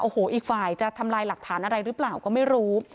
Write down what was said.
โอ้โหอีกฝ่ายจะทำลายหลักฐานอะไรหรือเปล่าก็ไม่รู้